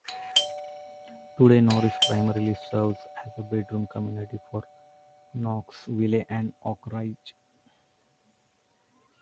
Today Norris primarily serves as a bedroom community for Knoxville and Oak Ridge.